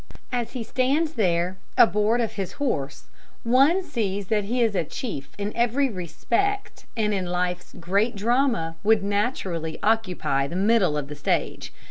As he stands there aboard of his horse, one sees that he is a chief in every respect and in life's great drama would naturally occupy the middle of the stage.